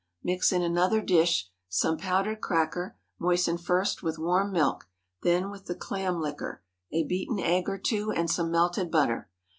Mix in another dish some powdered cracker, moistened first with warm milk, then with the clam liquor, a beaten egg or two, and some melted butter.